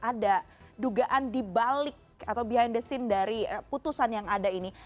ada dugaan dibalik atau behind the scene dari putusan yang ada ini